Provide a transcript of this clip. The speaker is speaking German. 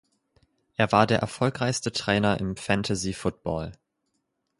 Er war der erfolgreichste Trainer im Fantasy Football.